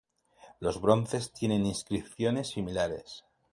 Los bronces tienen inscripciones similares.